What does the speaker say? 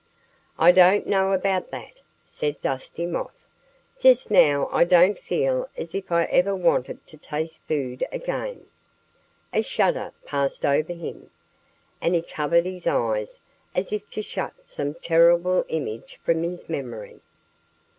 "I don't know about that," said Dusty Moth. "Just now I don't feel as if I ever wanted to taste food again." A shudder passed over him. And he covered his eyes, as if to shut some terrible image from his memory.